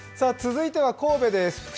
続いては神戸です。